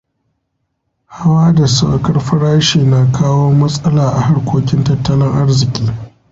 Hawa da saukar farashi na kawo matsala a harkokin tattalin arziƙi.